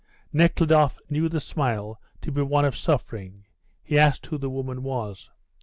Nekhludoff knew the smile to be one of suffering. He asked who the woman was.